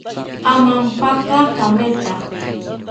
Amampaka kametha